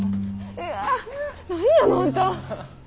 いや何やのあんた。